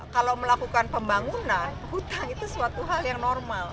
kalau melakukan pembangunan hutan itu suatu hal yang normal